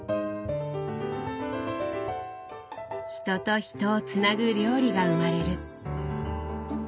人と人をつなぐ料理が生まれる。